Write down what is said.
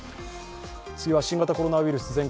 次は、新型コロナウイルス。